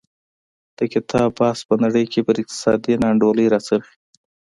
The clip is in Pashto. د کتاب بحث په نړۍ کې پر اقتصادي نا انډولۍ راڅرخي.